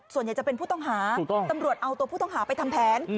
ส่วนใหญ่จะเป็นผู้ต้องหาตำรวจเอาตัวผู้ต้องหาไปทำแผน